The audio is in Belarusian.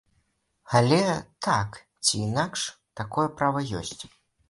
Але, так ці інакш, такое права ёсць.